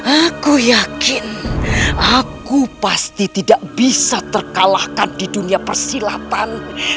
aku yakin aku pasti tidak bisa terkalahkan di dunia persilatan